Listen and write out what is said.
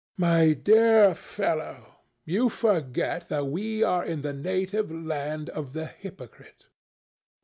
My dear fellow, you forget that we are in the native land of the hypocrite."